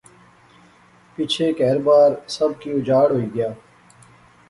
پچھے کہر بار، سب کی اُجاڑ ہو گیا